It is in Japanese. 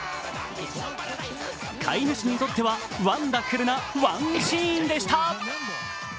飼い主にとってはワンダフルなワンシーンでした。